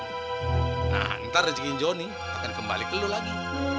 nah ntar rezeki jonny akan kembali ke lo lagi